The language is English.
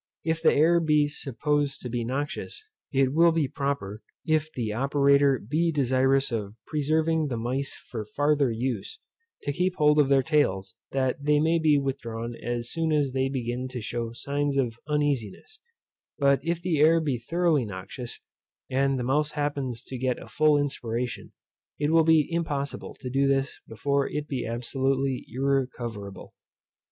If the air be supposed to be noxious, it will be proper (if the operator be desirous of preserving the mice for farther use) to keep hold of their tails, that they may be withdrawn as soon as they begin to shew signs of uneasiness; but if the air be thoroughly noxious, and the mouse happens to get a full inspiration, it will be impossible to do this before it be absolutely irrecoverable.